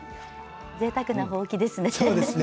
ぜいたくなほうきですね。